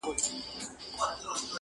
• لکه چرګ په ډېران مه وایه بانګونه -